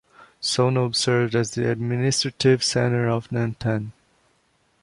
Sonobe served as the administrative center of Nantan.